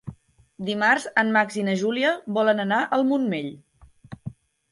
Dimarts en Max i na Júlia volen anar al Montmell.